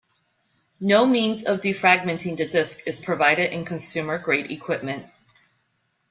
No means of defragmenting the disc is provided in consumer grade equipment.